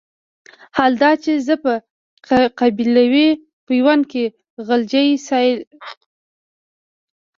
حال دا چې زه په قبيلوي پيوند کې غلجی سليمان خېل يم.